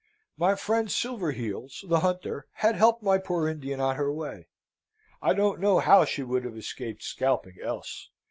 My friend Silverheels, the hunter, had helped my poor Indian on her way. I don't know how she would have escaped scalping else.